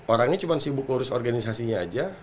orangnya cuma sibuk ngurus organisasinya aja